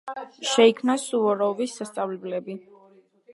შეიქმნა სუვოროვის სასწავლებლები.